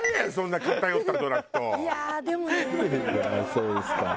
そうですか。